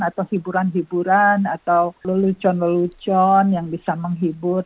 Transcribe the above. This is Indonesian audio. atau hiburan hiburan atau lelucon lelucon yang bisa menghibur